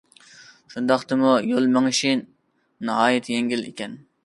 شۇنداقتىمۇ يول مېڭىشى ناھايىتى يەڭگىل ئىكەن.